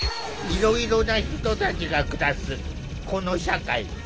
いろいろな人たちが暮らすこの社会。